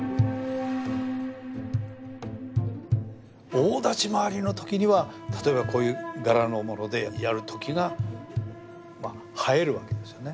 大立ち回りの時には例えばこういう柄のものでやる時が映えるわけですね。